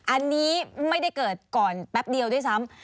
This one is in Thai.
อันนี้ไม่ได้เกิดก่อนแป๊บเดียวด้วยซ้ำ